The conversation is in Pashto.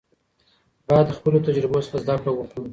باید د خپلو تجربو څخه زده کړه وکړو.